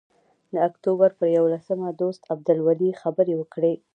د اکتوبر پر یوولسمه دوست عبدالولي خبرې وکړې.